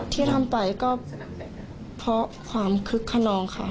ที่ทำไปก็เพราะความคึกขนองค่ะ